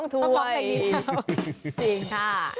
จริงค่ะ